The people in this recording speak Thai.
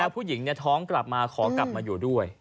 ผู้หญิงท้องกลับมาขอกลับมาอยู่ด้วย